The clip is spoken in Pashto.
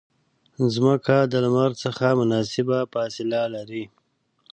مځکه د لمر څخه مناسبه فاصله لري.